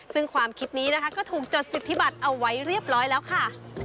ซึ่งความคิดนี้นะคะก็ถูกจดสิทธิบัตรเอาไว้เรียบร้อยแล้วค่ะ